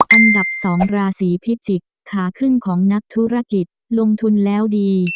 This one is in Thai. อันดับ๒ราศีพิจิกษ์ขาขึ้นของนักธุรกิจลงทุนแล้วดี